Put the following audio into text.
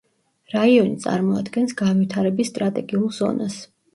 რაიონი წარმოადგენს განვითარების სტრატეგიულ ზონას.